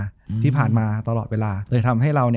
จบการโรงแรมจบการโรงแรม